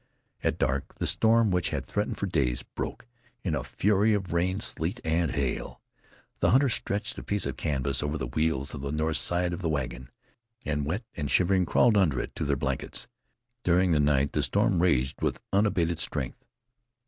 At dark the storm which had threatened for days, broke in a fury of rain, sleet and hail. The hunters stretched a piece of canvas over the wheels of the north side of the wagon, and wet and shivering, crawled under it to their blankets. During the night the storm raged with unabated strength.